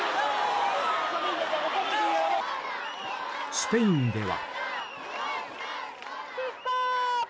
スペインでは。